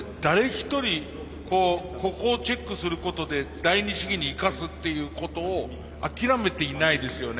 一人ここをチェックすることで第ニ試技に生かすっていうことを諦めていないですよね。